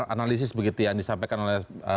analisis begitu ya yang disampaikan oleh